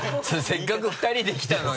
せっかく２人で来たのに。